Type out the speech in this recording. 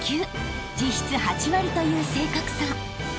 ［実質８割という正確さ］